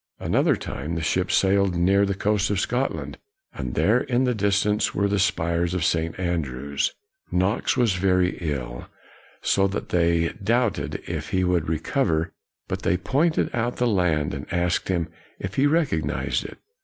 ' Another time, the ship sailed near the coast of Scotland, and there in the distance were the spires of St. Andrews. Knox was very ill, so that they doubted if he would recover, but they pointed out the land, and asked him if he recognized it.